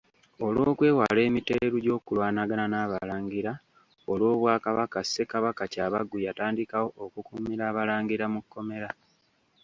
Olw’okwewala emiteeru gy’okulwanagana n’abalangira olw’obwakabaka Ssekabaka Kyabaggu yatandikawo okukuumira abalangira mu Kkomera.